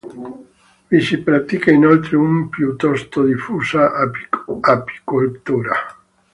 Vi si pratica inoltre una piuttosto diffusa apicoltura.